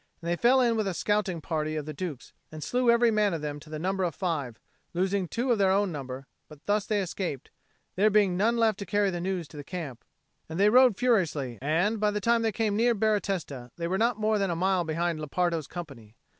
And they fell in with a scouting party of the Duke's, and slew every man of them to the number of five, losing two of their own number; but thus they escaped, there being none left to carry news to the camp; and they rode furiously, and, by the time they came near Baratesta, they were not more than a mile behind Lepardo's company.